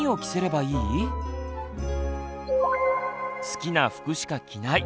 好きな服しか着ない。